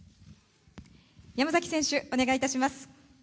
山崎選手、お願いいたします。